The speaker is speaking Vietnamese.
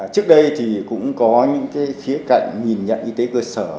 trước đây thì cũng có những khía cạnh nhìn nhận y tế cơ sở